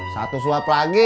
satu suap lagi